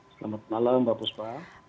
selamat malam mbak puspa